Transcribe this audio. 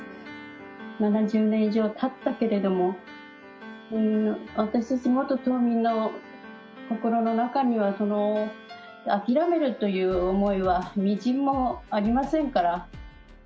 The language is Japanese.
７０年以上たったけれども、私たち元島民の心の中には、諦めるという思いは微塵もありませんから。